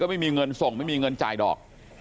ไม่มีเงินส่งไม่มีเงินจ่ายดอก